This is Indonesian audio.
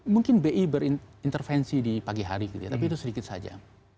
mungkin bi berintervensi di pagi hari gitu ya tapi itu sedikit saja